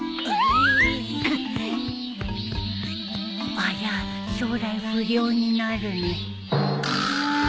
ありゃ将来不良になるね。